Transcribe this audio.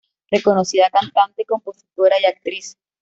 Reconocida cantante, compositora y actriz.